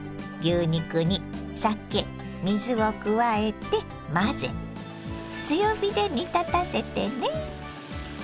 牛肉に酒水を加えて混ぜ強火で煮立たせてね。